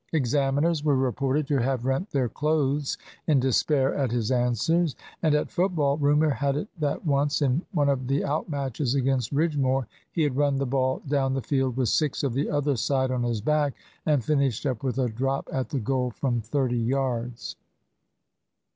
Examiners were reported to have rent their clothes in despair at his answers; and at football, rumour had it that once, in one of the out matches against Ridgmoor, he had run the ball down the field with six of the other side on his back, and finished up with a drop at the goal from thirty yards.